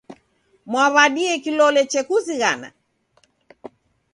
Mwaw'adie kilole chekuzighana?